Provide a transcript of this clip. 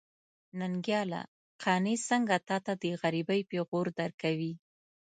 ننګياله! قانع څنګه تاته د غريبۍ پېغور درکوي.